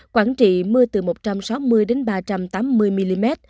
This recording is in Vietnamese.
quảng trị mưa từ một trăm sáu mươi đến ba trăm tám mươi mm